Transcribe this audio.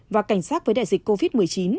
và cảnh sát với đại dịch covid một mươi chín